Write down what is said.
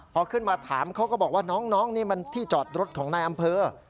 พอขึ้นมาถามเขาก็บอกว่าน้องนี่มันที่จอดรถของนายอำเภอ